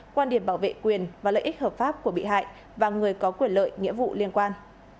quan điểm bảo vệ quyền và lợi ích hợp pháp của bị hại và người có quyền lợi nghĩa vụ liên quan